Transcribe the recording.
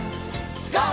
ＧＯ！